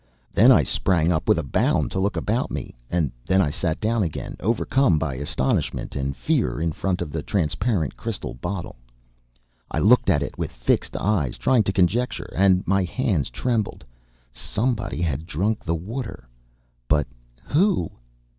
Then I sprang up with a bound to look about me, and then I sat down again, overcome by astonishment and fear, in front of the transparent crystal bottle! I looked at it with fixed eyes, trying to conjecture, and my hands trembled! Somebody had drunk the water, but who?